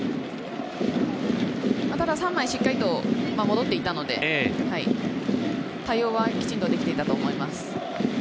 ただ３枚しっかりと戻っていたので、対応はきちんとできていたと思います。